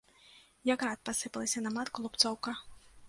Як град, пасыпалася на матку лупцоўка.